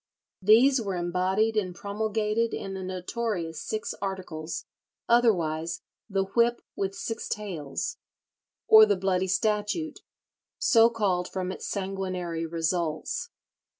These were embodied and promulgated in the notorious Six Articles, otherwise "the whip with six tails," or the Bloody Statute, so called from its sanguinary results.